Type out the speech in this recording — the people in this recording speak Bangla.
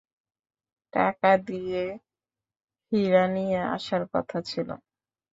টাকা দিয়ে হীরা নিয়ে আসার কথা ছিল।